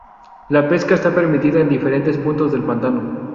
La pesca está permitida en diferentes puntos del pantano.